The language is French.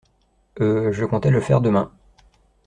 Euh, je comptais le faire demain...